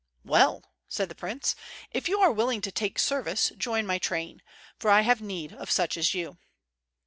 "Well," said the prince, "if you are willing to take service, join my train, for I have need of such as you."